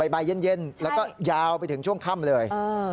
บ่ายเย็นแล้วก็ยาวไปถึงช่วงค่ำเลย